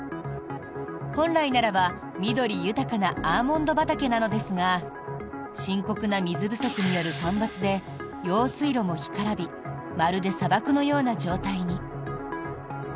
本来ならば緑豊かなアーモンド畑なのですが深刻な水不足による干ばつで用水路も干からびまるで砂漠のような状態に。